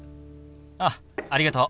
あっありがとう。